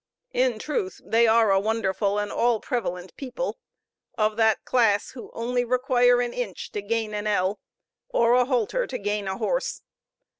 In truth, they are a wonderful and all prevalent people; of that class who only require an inch to gain an ell; or a halter to gain a horse.